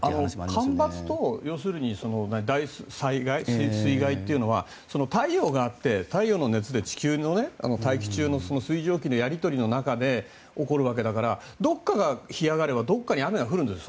干ばつと大災害水害というのは太陽があって太陽の熱で地球の大気中の水蒸気のやり取りの中で起こるわけだからどこかが干上がればどこかに雨が降るんです。